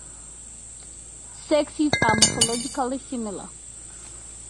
Sexes are morphologically similar.